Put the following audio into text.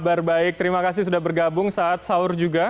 kabar baik terima kasih sudah bergabung saat sahur juga